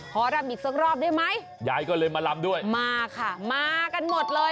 ขอรำอีกสักรอบได้ไหมยายก็เลยมาลำด้วยมาค่ะมากันหมดเลย